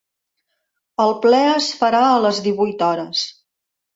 El ple es farà a les divuit hores.